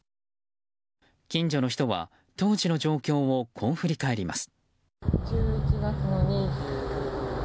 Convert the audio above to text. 近所の人は、当時の状況をこう振り返ります。